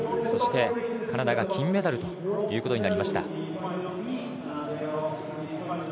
そして、カナダが金メダルということになりました。